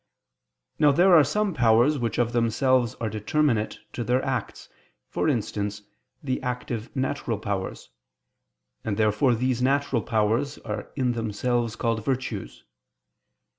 Now there are some powers which of themselves are determinate to their acts; for instance, the active natural powers. And therefore these natural powers are in themselves called virtues.